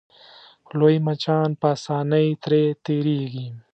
لوی مچان په اسانۍ ترې تېرېږي.